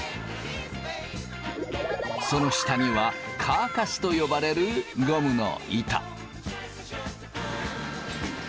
その下にはカーカスと呼ばれるゴムの板。